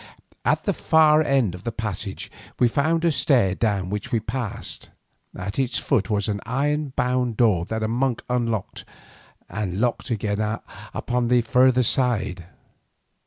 At the far end of the passage we found a stair down which we passed. At its foot was an iron bound door that the monk unlocked and locked again upon the further side.